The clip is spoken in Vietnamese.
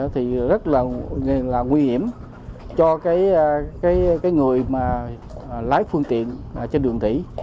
thì rất là nguy hiểm cho người lái phương tiện trên đường thủy